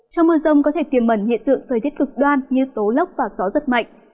trong mưa rông có thể tiềm mẩn hiện tượng thời tiết cực đoan như tố lốc và gió rất mạnh